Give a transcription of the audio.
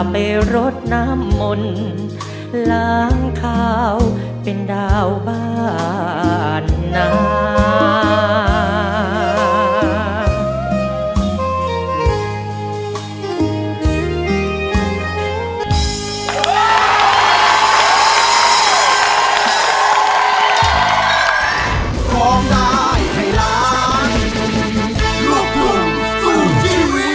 โปรดติดตามตอนต่อไป